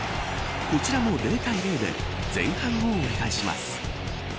こちらも０対０で前半を折り返します。